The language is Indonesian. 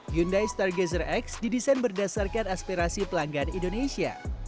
hyundai stargazer x didesain berdasarkan aspirasi pelanggan indonesia